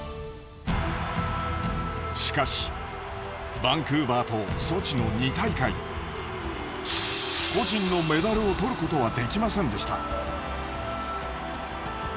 しかしバンクーバーとソチの２大会個人のメダルを取ることはできませんでした。